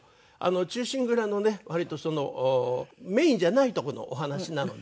『忠臣蔵』のね割とそのメインじゃないとこのお話なので。